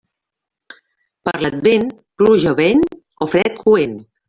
Per l'Advent, pluja o vent o fred coent.